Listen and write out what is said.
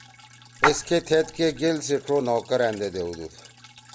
ایسکے تھید کے گیل سی ڇو نوکر أندے دیؤدُود۔